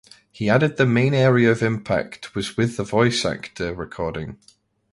He added the main area of impact was with the voice actor recording.